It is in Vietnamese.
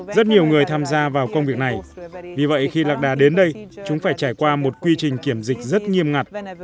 rất nhiều người tham gia vào công việc này vì vậy khi lạc đà đến đây chúng phải trải qua một quy trình kiểm dịch rất nghiêm ngặt